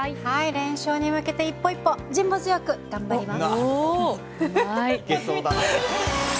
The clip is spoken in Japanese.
連勝に向けて一歩一歩辛抱強く頑張ります。